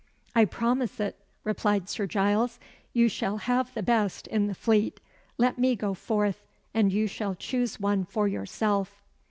"I promise it," replied Sir Giles. "You shall have the best in the Fleet. Let me go forth, and you shall choose one for yourself."